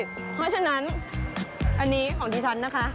เพราะฉะนั้นอันนี้ของดิฉันนะคะ